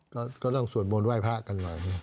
ก็ต้องสวดมนต์ไห้พระกันหน่อย